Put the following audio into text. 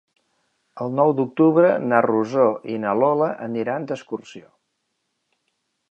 El nou d'octubre na Rosó i na Lola aniran d'excursió.